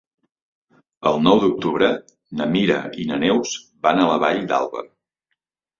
El nou d'octubre na Mira i na Neus van a la Vall d'Alba.